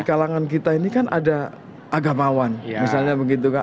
kalangan kita ini kan ada agamawan misalnya begitu kan